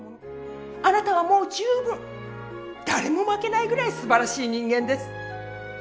あなたはもう十分誰も負けないぐらいすばらしい人間です。